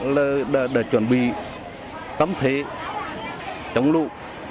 mặc dù là chuẩn bị tấm thể chống lụt